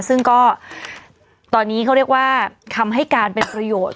ซึ่งก็ตอนนี้เขาเรียกว่าคำให้การเป็นประโยชน์